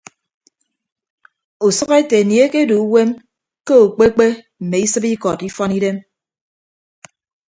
Usʌk ete anie ekedu uwem ke ukpe kpe mme isịp ikọd ifọn idem.